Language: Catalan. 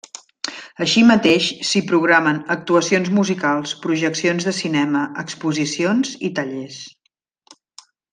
Així mateix, s'hi programen actuacions musicals, projeccions de cinema, exposicions i tallers.